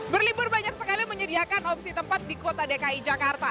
berlibur banyak sekali menyediakan opsi tempat di kota dki jakarta